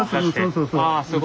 そうそうそう。